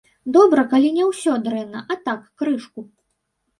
Добра, калі не ўсё дрэнна, а так, крышку.